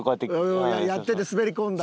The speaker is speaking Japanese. うんやってて滑り込んだ。